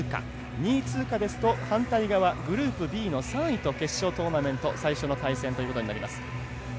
２位通過だとグループＢの３位と決勝トーナメント最初の対戦ということになります。